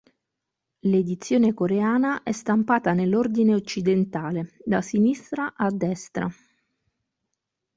L'edizione coreana è stampata nell'ordine occidentale da sinistra a destra.